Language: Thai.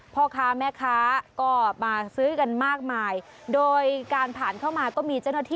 พ่อค้าแม่ค้าก็มาซื้อกันมากมายโดยการผ่านเข้ามาก็มีเจ้าหน้าที่